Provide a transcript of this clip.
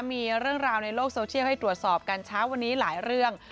มีเรื่องราวในโลกโซเชียลให้ตรวจสอบกันเช้าวันนี้หลายเรื่อง